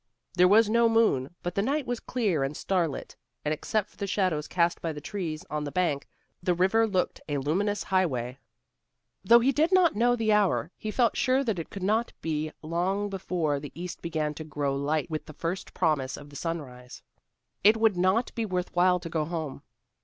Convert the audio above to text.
There was no moon, but the night was clear and starlit, and except for the shadows cast by the trees on the bank, the river looked a luminous highway. Though he did not know the hour, he felt sure that it could not be long before the east began to grow light with the first promise of the sunrise. It would not be worth while to go home.